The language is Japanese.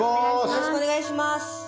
よろしくお願いします。